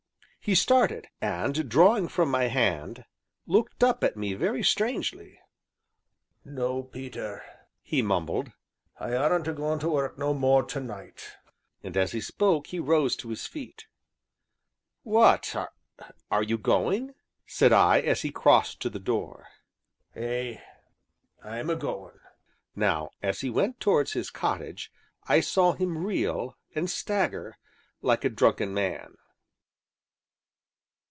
He started, and, drawing from my hand, looked up at me very strangely. "No, Peter," he mumbled, "I aren't a goin' to work no more tonight," and as he spoke he rose to his feet. "What are you going?" said I, as he crossed to the door. "Ay, I'm a goin'." Now, as he went towards his cottage, I saw him reel, and stagger, like a drunken man.